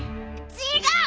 違う！